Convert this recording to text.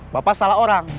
bapak salah orang